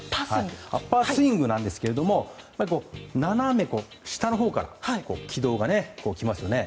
アッパースイングなんですけども斜め下のほうから軌道が来ますよね。